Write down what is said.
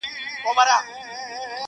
په یوه سترګک یې داسي هدف و ویشت,